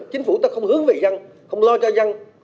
nếu chính phủ ta không hướng về răng không lo cho răng